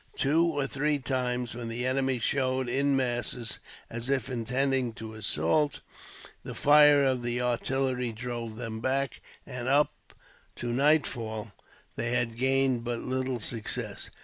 Two or three times, when the enemy showed in masses, as if intending to assault, the fire of the artillery drove them back; and up to nightfall they had gained but little success.